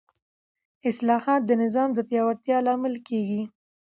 اصلاحات د نظام د پیاوړتیا لامل کېږي